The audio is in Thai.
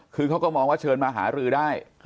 คือเขาก็มองว่าเชิญมาหารือได้